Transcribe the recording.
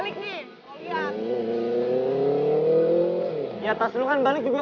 kita juga pasalin kings